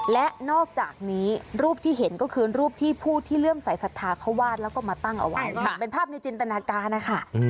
และนอกจากนี้รูปที่เห็นก็คือรูปที่ผู้ที่เลื่อมสายศรัทธาเขาวาดแล้วก็มาตั้งเอาไว้เป็นภาพในจินตนาการนะคะ